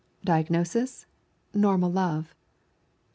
Diagnosis: Normal love.